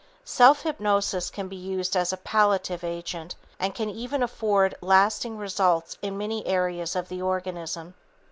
Self hypnosis can be used as a palliative agent and can even afford lasting results in many areas of the organism.